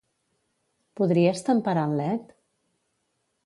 Podries temperar el led?